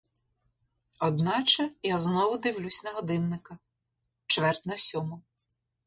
Одначе я знову дивлюсь на годинника: чверть на сьому.